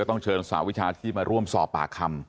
ต้องเชิญสาววิชาที่มาสอบปากคำ